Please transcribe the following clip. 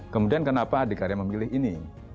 kemudian kenapa adikarya memilih ini